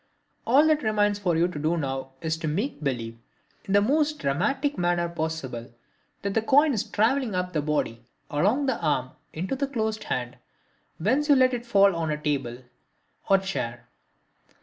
All that remains for you to do now is to make believe, in the most dramatic manner possible, that the coin is traveling up the body, along the arm, and into the chosen hand, whence you let it fall on to a table or chair.